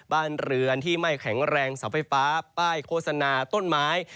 บ้านเรือนที่ไม่แข็งแรงเสาไฟฟ้าป้ายโฆษณาต้นไม้